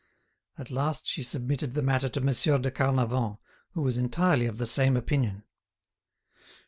At last she submitted the matter to Monsieur de Carnavant, who was entirely of the same opinion.